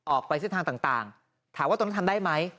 ออกไปเส้นทางต่างถามว่าตรงนี้ทำได้ไหม